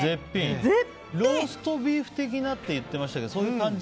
ローストビーフ的なって言ってましたけど